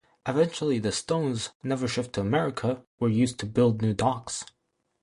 Eventually the stones, never shipped to America, were used to build new docks.